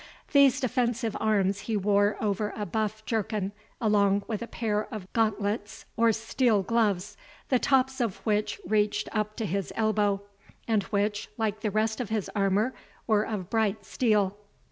These defensive arms he wore over a buff jerkin, along with a pair of gauntlets, or steel gloves, the tops of which reached up to his elbow, and which, like the rest of his armour, were of bright steel.